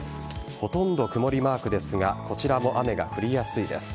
ほとんど曇りマークですがこちらも雨が降りやすいです。